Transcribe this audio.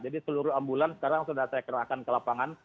jadi seluruh ambulan sekarang sudah saya kerahkan ke lapangan